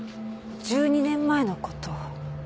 １２年前の事。